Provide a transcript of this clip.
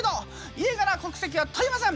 家柄国籍は問いません！